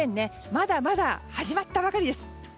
まだまだ始まったばかりです。